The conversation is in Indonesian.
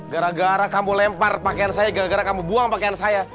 gara gara kamu lempar pakaian saya gara gara kamu buang pakaian saya